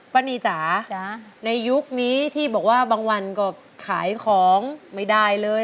ป้านีจ๋าในยุคนี้ที่บอกว่าบางวันก็ขายของไม่ได้เลย